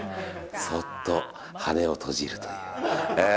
そっと羽を閉じるという。